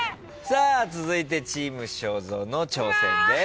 続いてチーム正蔵の挑戦です。